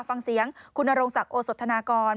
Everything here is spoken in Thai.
ฟังเสียงคุณนรงศักดิ์โอสธนากร